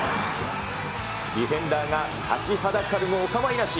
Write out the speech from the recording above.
ディフェンダーが立ちはだかるもお構いなし。